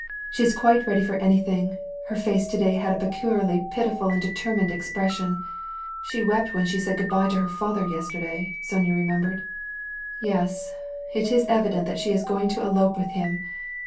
"She is quite ready for anything. Her face to day had a peculiarly pitiful and determined expression. She wept when she said good by to her father yesterday," Sonya remembered. " Yes, it is evident that she is going to elope with him